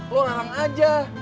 lo larang aja